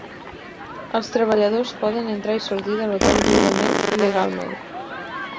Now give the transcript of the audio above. Els treballadors poden entrar i sortir de l'hotel lliurament i legalment.